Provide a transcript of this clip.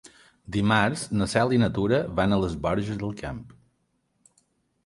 Dimarts na Cel i na Tura van a les Borges del Camp.